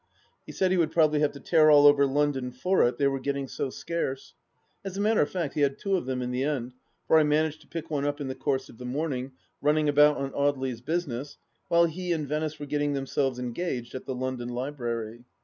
He said he would probably have to tear all over London for it, they were getting so scarce. As a matter of fact, he had two of them in the end, for I managed to pick one up in the course of the morning, running about on Audely's business, while he and Venice were getting themselves engaged at the London Library.